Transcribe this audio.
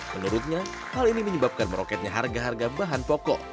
menurutnya hal ini menyebabkan meroketnya harga harga bahan pokok